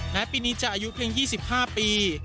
ปีนี้จะอายุเพียง๒๕ปี